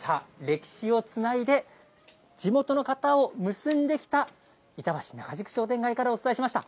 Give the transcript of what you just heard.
さあ、歴史をつないで、地元の方を結んできた、板橋・仲宿商店街からお伝えしました。